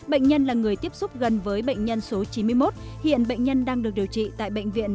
bệnh nhân là người tiếp xúc gần với bệnh nhân số chín mươi một hiện bệnh nhân đang được điều trị tại bệnh viện